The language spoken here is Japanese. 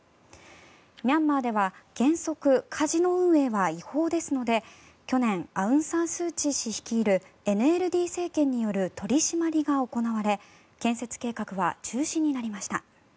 ミャンマーでは原則カジノ運営は違法ですので去年、アウン・サン・スー・チー氏率いるＮＬＤ政権による取り締まりが行われ建設計画は中止になりました。